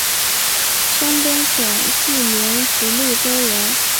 山东省济宁直隶州人。